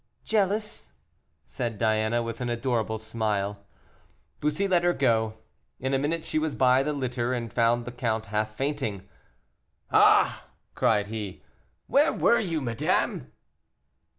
"Jealous!" said Diana, with an adorable smile. Bussy let her go. In a minute she was by the litter, and found the count half fainting. "Ah!" cried he, "where were you, madame?"